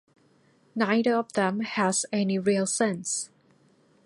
Neither of them has any real sense.